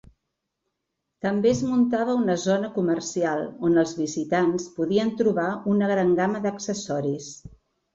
També es muntava una zona comercial on els visitants podien trobar una gran gamma d'accessoris.